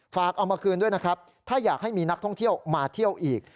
เอามาคืนด้วยนะครับถ้าอยากให้มีนักท่องเที่ยวมาเที่ยวอีก